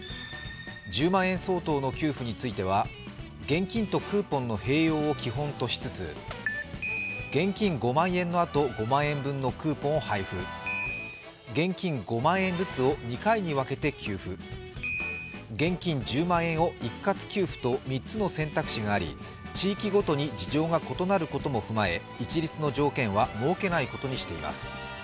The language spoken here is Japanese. １０万円相当の給付については現金とクーポンの併用を基本としつつ現金５万円のあと５万円のクーポンを配布、現金５万円ずつを２回に分けて給付、現金１０万円を一括給付と３つの選択肢があり地域ごとに事情が異なることも踏まえ一律の条件は設けないことにしています。